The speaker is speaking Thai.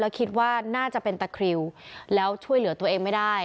คิดว่าน่าจะเป็นตะคริวแล้วช่วยเหลือตัวเองไม่ได้